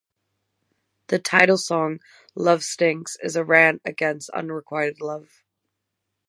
The title song, "Love Stinks" is a rant against unrequited love.